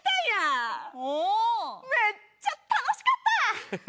めっちゃ楽しかった！